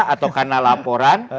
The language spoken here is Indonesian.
atau karena laporan